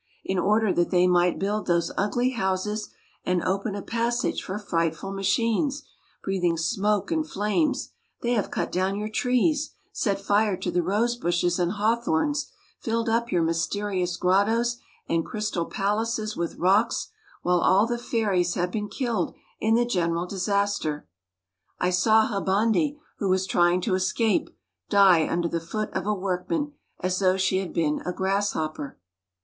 In order that they might build those ugly houses and open a passage for frightful machines, breathing smoke and flames, they have cut down your trees, set fire to the rose bushes and hawthorns, filled up your mysterious grottoes and crystal palaces with rocks, while all the fairies have been killed in the general disaster. I saw Habonde, who was trying to escape, die under the foot of a workman, as though she had been a grasshopper."